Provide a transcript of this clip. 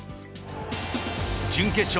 準決勝